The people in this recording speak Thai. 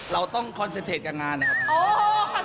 เราต้องปรับความรักกับงานอะครับ